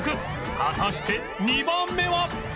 果たして２番目は